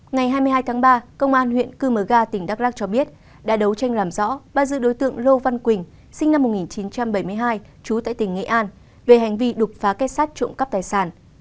ngày hai mươi hai tháng ba công an huyện cư mờ ga tỉnh đắk lắc cho biết đã đấu tranh làm rõ bắt giữ đối tượng lô văn quỳnh sinh năm một nghìn chín trăm bảy mươi hai trú tại tỉnh nghệ an về hành vi đột phá kết sát trộm cắp tài sản